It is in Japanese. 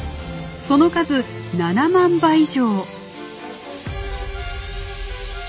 その数７万羽以上。